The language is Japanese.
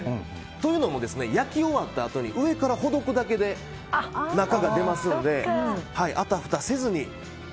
というのも焼き終わったあとに上からほどくだけで中が出ますのであたふたせずに。